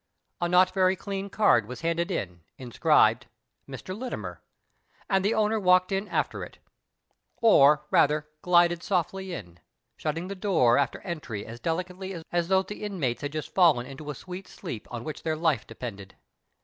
A not very clean card was handed in, inscribed :—" Mk. Littimer," and the owner walked in after it. Or, rather, glided softly in, shutting the door after entry as delicately as though the inmates had just fallen into a sweet sleep on which their life depended.